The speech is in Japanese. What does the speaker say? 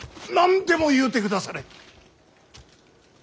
何でも言うてくだされ。